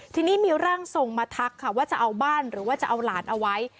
ทีนี้มีร่างทรงมาทักค่ะว่าจะเอาบ้านหรือว่าจะเอาหลานเอาไว้